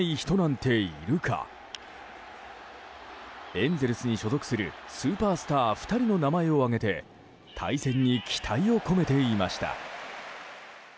エンゼルスに所属するスーパースター２人の名前を挙げて対戦に期待を込めていました。